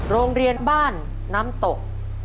โรงเรียนบ้านน้ำตก